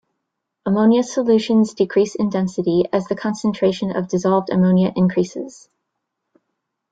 Ammonia solutions decrease in density as the concentration of dissolved ammonia increases.